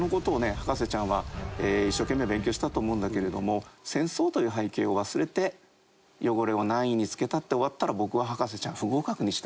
博士ちゃんは一生懸命勉強したと思うんだけれども戦争という背景を忘れてヨゴレを何位につけたで終わったら僕は博士ちゃん不合格にしたいと思います。